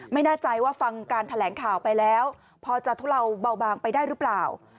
ไม่แน่ใจว่าฟังการแถลงข่าวไปแล้วพอจะทุเลาเบาบางไปได้หรือเปล่า